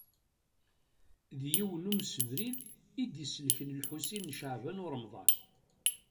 D yiwen umsebrid i d-iselken Lḥusin n Caɛban u Ṛemḍan.